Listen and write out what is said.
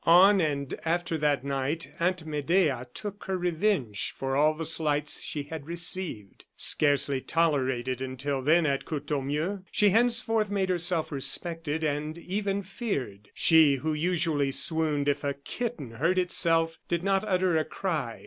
On and after that night Aunt Medea took her revenge for all the slights she had received. Scarcely tolerated until then at Courtornieu, she henceforth made herself respected, and even feared. She, who usually swooned if a kitten hurt itself, did not utter a cry.